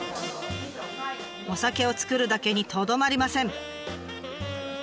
お酒を造るだけにとどまりません。